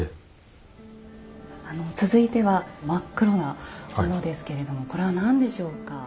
続いては真っ黒なものですけれどもこれは何でしょうか？